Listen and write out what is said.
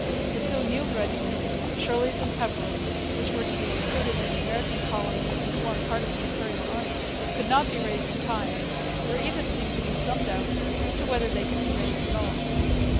The two new regiments, Shirley's and Pepperrell's, which were to be recruited in the American colonies and form part of the Imperial Army, could not be raised in time. There even seemed to be some doubt as to whether they could be raised at all.